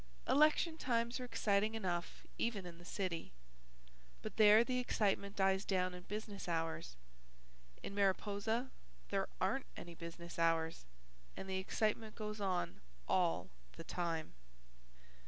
Election times are exciting enough even in the city. But there the excitement dies down in business hours. In Mariposa there aren't any business hours and the excitement goes on all the time.